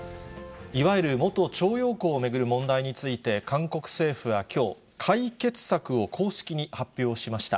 いわゆる元徴用工を巡る問題について、韓国政府はきょう、解決策を公式に発表しました。